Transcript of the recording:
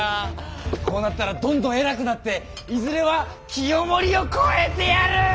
こうなったらどんどん偉くなっていずれは清盛を超えてやる！